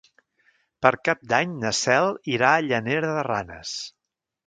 Per Cap d'Any na Cel irà a Llanera de Ranes.